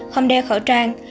không đeo khẩu trang